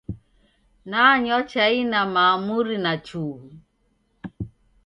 Nanywa chai na maamuri na chughu